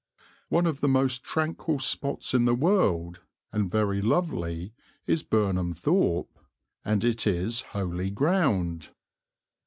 One of the most tranquil spots in the world, and very lovely, is Burnham Thorpe and it is holy ground.